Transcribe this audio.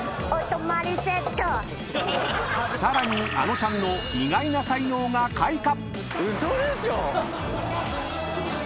［さらにあのちゃんの意外な才能が開花⁉］